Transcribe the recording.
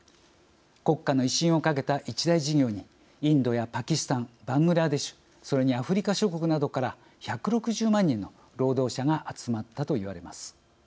国家の威信をかけた一大事業にインドやパキスタンバングラデシュそれにアフリカ諸国などから１６０万人の労働者が集まったといわれます。